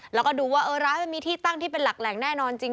แล้วก็ดูว่าร้านมันมีที่ตั้งที่เป็นหลักแหล่งแน่นอนจริง